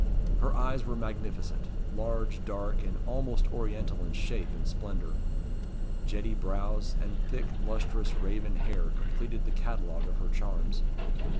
Her eyes were magnificent large, dark, and almost Oriental in shape and splendour. Jetty brows, and thick, lustrous, raven hair, completed the catalogue of her charms.